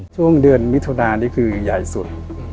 ช่วงเดือนมิถุนานี่คือใหญ่สุด